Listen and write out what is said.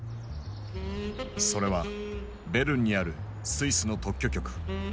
それはベルンにあるスイスの特許局。